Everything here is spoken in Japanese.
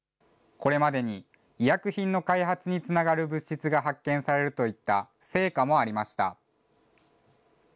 これまでに医薬品の開発につながる物質が発見されるといった成果もありました。